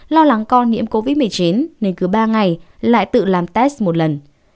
lo lắng con nhiễm covid một mươi chín nên cứ ba ngày lại tự làm test một lần